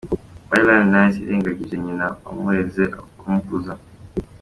Maitland Niles yirengagije nyina wamureze akamukuza.